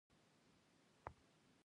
ایا زه سرکه کارولی شم؟